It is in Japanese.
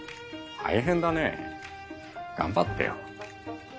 大変だねぇ頑張ってよ。